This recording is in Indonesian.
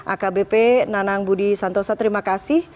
akbp nanang budi santosa terima kasih